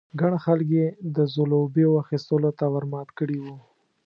ګڼ خلک یې د ځلوبیو اخيستلو ته ور مات کړي وو.